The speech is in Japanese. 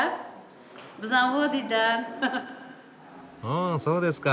うんそうですか。